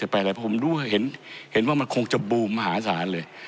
ไปอะไรเพราะผมดูเห็นว่ามันคงจะบูมมหาศาลเลย